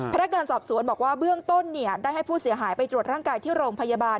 พนักงานสอบสวนบอกว่าเบื้องต้นได้ให้ผู้เสียหายไปตรวจร่างกายที่โรงพยาบาล